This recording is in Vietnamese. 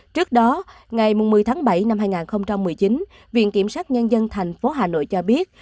trước đó ngày một mươi tháng bảy năm hai nghìn một mươi chín viện kiểm sát nhân dân tp hà nội cho biết